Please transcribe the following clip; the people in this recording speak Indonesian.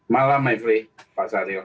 malam pak syahril